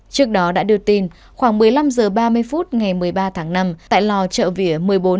trước đó đã đưa tin khoảng một mươi năm h ba mươi phút ngày một mươi ba tháng năm tại lò chợ vỉa một nghìn bốn trăm hai mươi hai